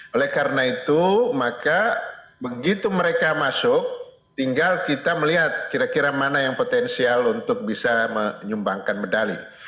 oleh karena itu maka begitu mereka masuk tinggal kita melihat kira kira mana yang potensial untuk bisa menyumbangkan medali